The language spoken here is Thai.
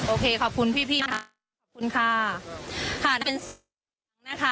โอเคขอบคุณพี่มากขอบคุณค่ะ